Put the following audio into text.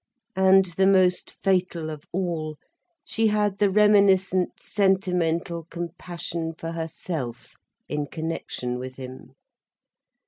And the most fatal of all, she had the reminiscent sentimental compassion for herself in connection with him.